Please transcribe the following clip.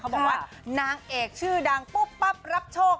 บอกว่านางเอกชื่อดังปุ๊บปั๊บรับโชค